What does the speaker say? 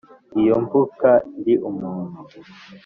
iyo mvuka ndi umuhutu